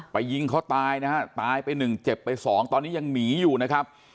ยิงเขาตายนะฮะตายไปหนึ่งเจ็บไปสองตอนนี้ยังหนีอยู่นะครับ